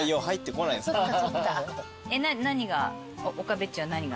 岡部っちは何が？